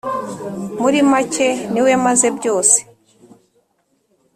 muri make: «Ni we maze byose».